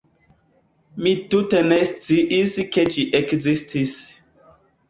Mi tute ne sciis ke ĝi ekzistis.